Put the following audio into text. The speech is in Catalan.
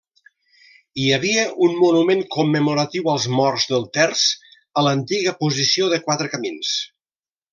Hi havia un monument commemoratiu als morts del Terç a l'antiga posició de Quatre Camins.